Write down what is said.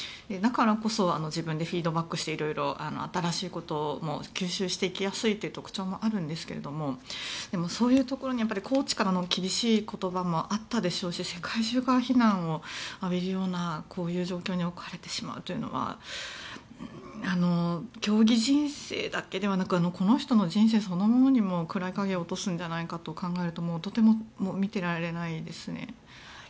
だからこそ自分でフィードバックしていろいろ新しいことも吸収していきやすいという特徴もあるんですがそういうところにコーチからの厳しい言葉もあったでしょうし世界中から非難を浴びるようなこういう状況に置かれてしまうというのは競技人生だけではなくこの人の人生そのものにも暗い影を落とすんじゃないかと考えるととても見てられないですね。